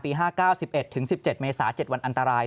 ๕๙๑๑ถึง๑๗เมษา๗วันอันตราย